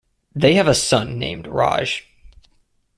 They have a son named Raj.